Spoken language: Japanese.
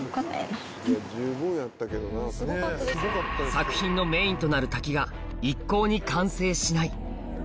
作品のメインとなる滝が一向に完成しない